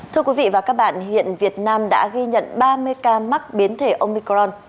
thưa quý vị và các bạn hiện việt nam đã ghi nhận ba mươi ca mắc biến thể omicron